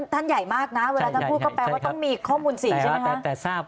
ท่านใหญ่มากนะเวลาท่านพูดก็แปลว่าต้องมีข้อมูลสีใช่ไหมครับ